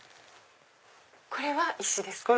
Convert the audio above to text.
これは石ですか？